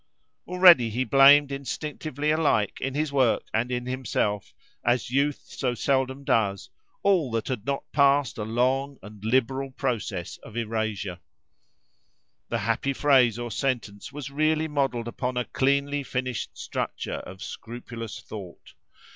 Already he blamed instinctively alike in his work and in himself, as youth so seldom does, all that had not passed a long and liberal process of erasure. The happy phrase or sentence was really modelled upon a cleanly finished structure of scrupulous thought.